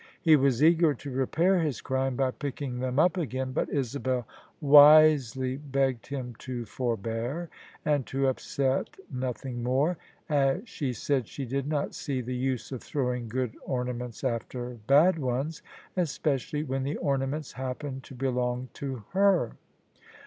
He was eager to repair his crime by picking them up again: but Isabel wisely begged him to forbear, and to upset nothing more: as she said she did not see the use of throwing good ornaments after bad ones — especially when the ornaments happened to belong to her.